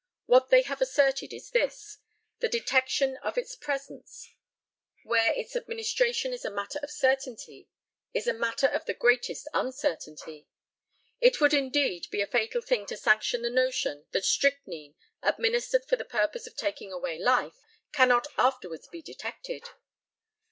What they have asserted is this the detection of its presence, where its administration is a matter of certainty, is a matter of the greatest uncertainty. It would, indeed, be a fatal thing to sanction the notion that strychnine, administered for the purpose of taking away life, cannot afterwards be detected!